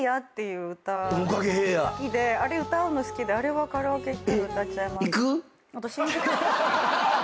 あれ歌うの好きであれはカラオケ行ったら歌っちゃいます。